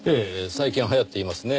最近流行っていますね。